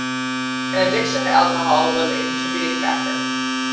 An addiction to alcohol was a contributing factor.